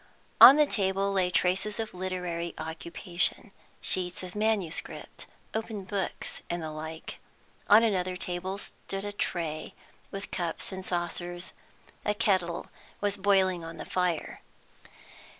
On the table lay traces of literary occupation, sheets of manuscript, open books, and the like. On another table stood a tray, with cups and saucers. A kettle was boiling on the fire.